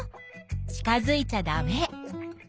近づいちゃダメ。